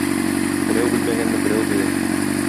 Берәү белмәгәнне берәү белер.